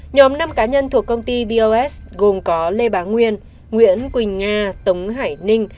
nhóm năm cá nhân thuộc công ty bos gồm có lê bá nguyên nguyễn quỳnh nga tống hải ninh